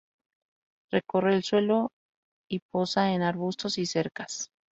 Recorre el suelo y posa en arbustos y cercas.